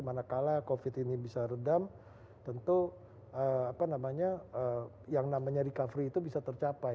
manakala covid ini bisa redam tentu apa namanya yang namanya recovery itu bisa tercapai